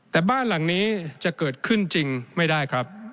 แต่บ้านหลังนี้จะเกิดขึ้นจริงไม่ได้ครับ